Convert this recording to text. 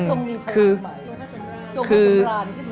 ทรงพระสำราญขึ้นมาเลยนะครับ